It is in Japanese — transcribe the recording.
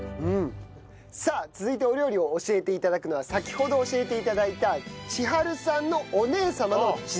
さあ続いてお料理を教えて頂くのは先ほど教えて頂いた千春さんのお姉様の千鶴さんです。